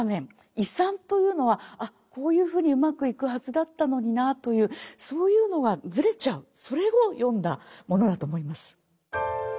「違算」というのはこういうふうにうまくいくはずだったのになというそういうのがずれちゃうそれをよんだものだと思います。